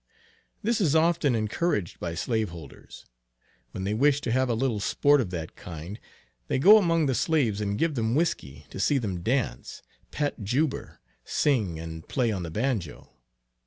This is often encouraged by slaveholders. When they wish to have a little sport of that kind, they go among the slaves and give them whiskey, to see them dance, "pat juber," sing and play on the banjo.